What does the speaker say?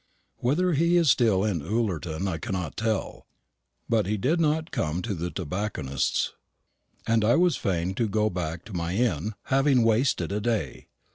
Whether he is still in Ullerton or not I cannot tell; but he did not come to the tobacconist's; and I was fain to go back to my inn, having wasted a day.